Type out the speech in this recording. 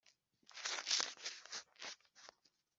duhunge ngo kuko nakurikiwe